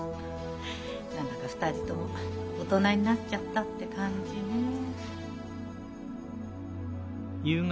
何だか２人とも大人になっちゃったって感じねえ。